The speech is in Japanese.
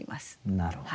なるほど。